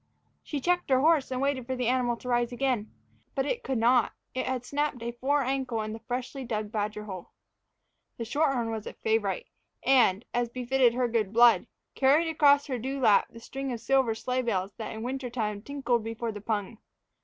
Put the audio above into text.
She checked her horse and waited for the animal to rise again. But it could not it had snapped a fore ankle in a freshly dug badger hole. The shorthorn was a favorite and, as befitted her good blood, carried across her dewlap the string of silver sleigh bells that in wintertime tinkled before the pung.